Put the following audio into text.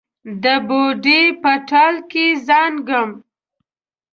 د بوډۍ په ټال کې زانګم